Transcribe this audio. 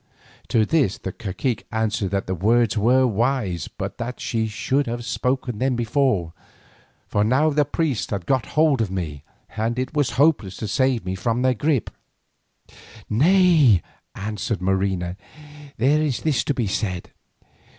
To this the cacique answered that the words were wise, but that she should have spoken them before, for now the priests had got hold of me, and it was hopeless to save me from their grip. "Nay," answered Marina, "there is this to be said.